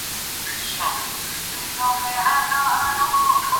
پر ہجوم تقریبات پسند نہیں کرتا